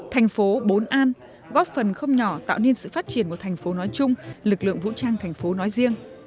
thành phố bốn an góp phần không nhỏ tạo nên sự phát triển của thành phố nói chung lực lượng vũ trang thành phố nói riêng